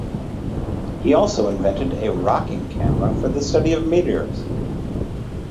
He also invented a rocking camera for the study of meteors.